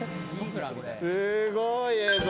すごい映像。